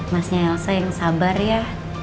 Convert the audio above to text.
masnya elsa yang sabar ya